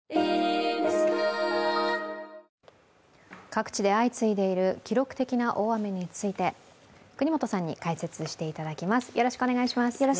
各地で相次いでいる記録的な大雨について國本さんに解説していただきます。